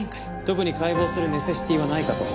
特に解剖するネセシティはないかと。